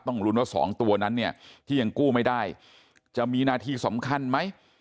ลุ้นว่า๒ตัวนั้นเนี่ยที่ยังกู้ไม่ได้จะมีหน้าที่สำคัญไหม